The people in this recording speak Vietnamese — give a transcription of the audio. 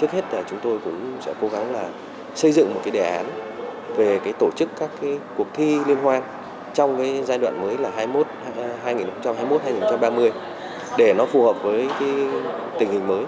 trước hết là chúng tôi cũng sẽ cố gắng là xây dựng một đề án về tổ chức các cuộc thi liên hoan trong giai đoạn mới hai nghìn hai mươi một hai nghìn ba mươi để nó phù hợp với tình hình mới